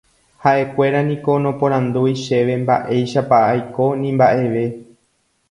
ha'ekuéra niko noporandúi chéve mba'éichapa aiko ni mba'eve